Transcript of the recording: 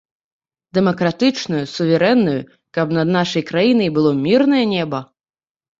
Дэмакратычную, суверэнную, каб над нашай краінай было мірнае неба.